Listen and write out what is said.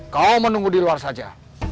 kau menunggu di luar saja